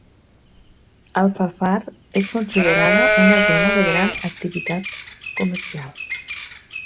Alfafar és considerada una zona de gran activitat comercial.